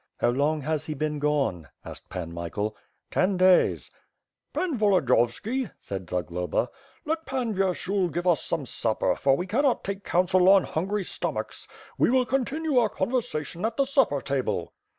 "How long has he been gone?" asked Pan Michael. "Ten days." "Pan Volodiyovski," said Zagloba, "let Pan Vyershul give us some supper, for we cannot take council on hungry stom achs; we will continue our conversation at the supper table."